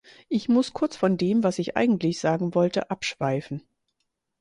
Ich muss kurz von dem, was ich eigentlich sagen wollte, abschweifen.